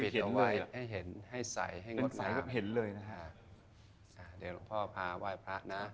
เดี๋ยวเราพอพาว่ายพระนะ